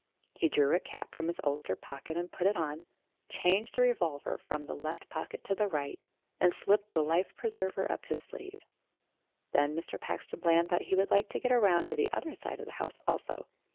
He drew a cap from his ulster pocket and put it on, changed the revolver from 160 STORIES WITHOUT TEARS the left pocket to the right, and slipped the life pre server up his sleeve. Then Mr. Paxton Bland thought he would like to get round to the other side of the house also.